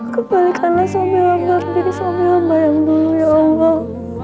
kebalikanlah suami lama aku jadi suami lama yang dulu ya allah